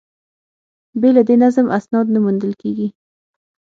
بې له دې نظم، اسناد نه موندل کېږي.